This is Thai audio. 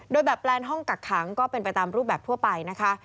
โดยแบบแปลนห้องกักขังก็เป็นไปตามรูปแบบทั่วไปนะคะ